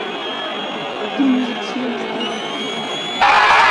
Quines accions trobava a faltar?